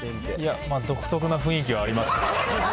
独特な雰囲気がありますけど。